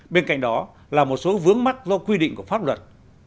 bên cạnh đó là một số vướng mắt do quy định của pháp luật